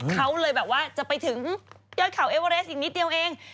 เขาเลยแบบว่าจะไปถึงยอดเขาเอเวอเรสอีกนิดเดียวเอง